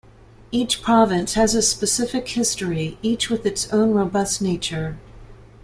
Each province has a specific history, each with its own robust nature.